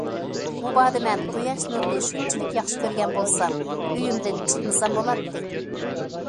مۇبادا مەن قۇياش نۇرىنى شۇنچىلىك ياخشى كۆرگەن بولسام ئۆيۈمدىن چىقمىسام بولاتتى.